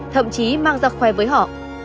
thậm chí mang ra khoe với họ